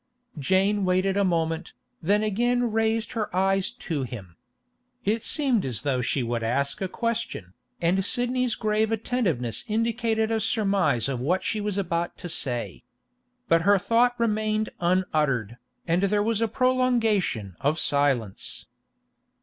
Jane waited a moment, then again raised her eyes to him. It seemed as though she would ask a question, and Sidney's grave attentiveness indicated a surmise of what she was about to say. But her thought remained unuttered, and there was a prolongation of silence.